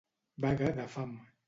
Vaga de fam.